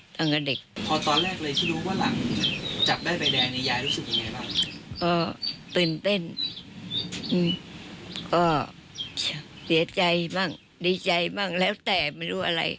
ที่ดีใจนี่เพราะอะไร